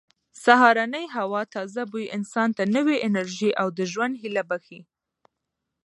د سهارنۍ هوا تازه بوی انسان ته نوې انرژي او د ژوند هیله بښي.